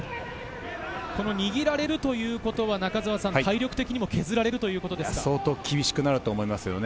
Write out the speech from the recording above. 握られるということは、体力的にも削られるということですよね。